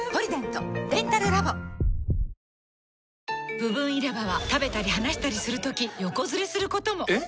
部分入れ歯は食べたり話したりするとき横ずれすることも！えっ！？